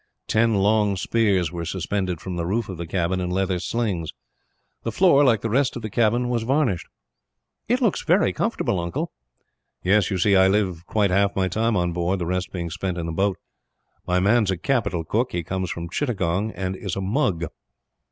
Ten long spears were suspended from the roof of the cabin, in leather slings. The floor, like the rest of the cabin, was varnished. "It looks very comfortable, uncle." "Yes; you see, I live quite half my time on board, the rest being spent in the boat. My man is a capital cook. He comes from Chittagong, and is a Mug."